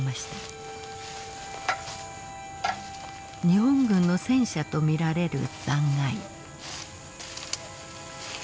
日本軍の戦車と見られる残骸。